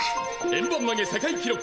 「円盤投げ世界記ロック！」